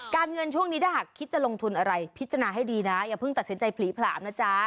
เงินช่วงนี้ถ้าหากคิดจะลงทุนอะไรพิจารณาให้ดีนะอย่าเพิ่งตัดสินใจผลีผลามนะจ๊ะ